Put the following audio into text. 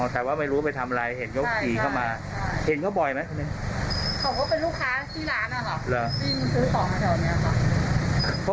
เขาว่าเป็นลูกค้าที่ร้านนั้นหรอที่ซื้อของแถวนี้ค่ะ